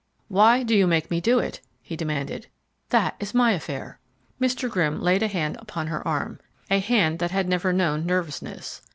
"Why do you make me do it?" he demanded. "That is my affair." Mr. Grimm laid a hand upon her arm, a hand that had never known nervousness.